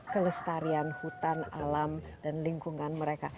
kelestarian hutan alam dan lingkungan mereka